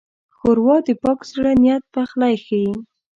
ښوروا د پاک زړه نیت پخلی ښيي.